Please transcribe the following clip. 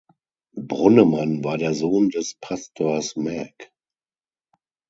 Brunnemann war der Sohn des Pastors Mag.